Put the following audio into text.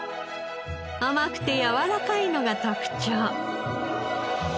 甘くてやわらかいのが特徴。